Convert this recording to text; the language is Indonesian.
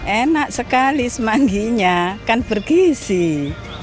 enak sekali semangginya kan pergi sih